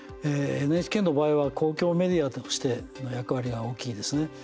ＮＨＫの場合は公共メディアとしての役割が大きいですね。